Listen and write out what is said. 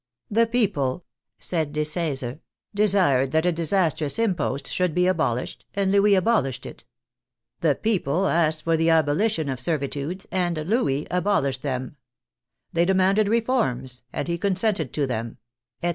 '' The people," said Deseze, " desired that a dis astrous impost should be abolished, and Louis abolished it; the people asked for the abolition of servitudes, and Louis abolished them; they demanded reforms, and he consented to them," etc.